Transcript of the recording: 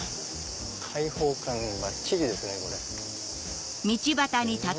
開放感ばっちりですね。